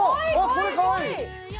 これかわいい！